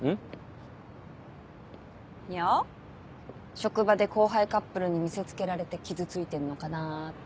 職場で後輩カップルに見せつけられて傷ついてんのかなって。